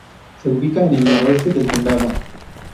Se ubica en el noroeste del condado.